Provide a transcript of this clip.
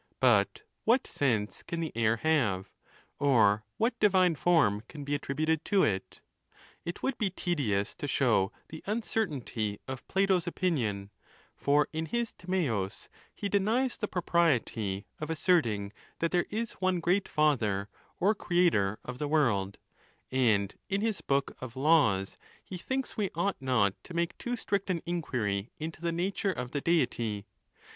But what sense can the aiv have? or what divine form can be attributed to it? It would be tedious to show the uncertainty of Plato's opinion ; for, in his Tiniseus, he denies the propriety of as sei^ting that there is one great father or creator of the world ; and, in his book of Laws, he thinks we ought not to make too strict an inquiry into the nature of the Deity.